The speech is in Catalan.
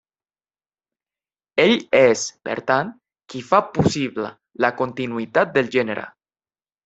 Ell és, per tant, qui fa possible la continuïtat del gènere.